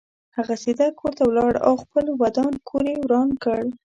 هغه سیده کور ته ولاړ او خپل ودان کور یې وران کړ.